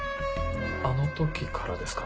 あの時からですか？